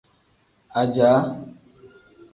Ajaa.